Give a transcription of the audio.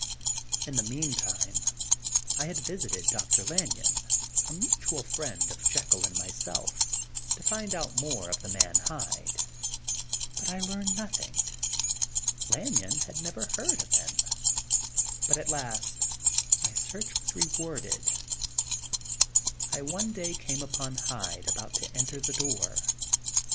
In the mean time I had visited Dr. Lanyon, a mutual friend of Jekyll and myself, to find out more of the man Hyde; but I learned nothing. Lanyon had never heard of him. But at lO The Untold Sequel of last my search was rewarded. I one day came upon Hyde about to enter the door.